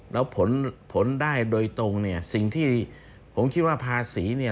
แล้วผลได้โดยตรงสิ่งที่ผมคิดว่าภาษี